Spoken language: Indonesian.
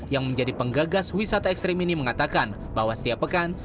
yang menjadi penggagas wisata ekstrim ini mengatakan bahwa setiap pekan